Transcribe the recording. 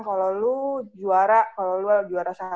kalau lu juara kalau lu lagi beasiswa lu bisa ngasih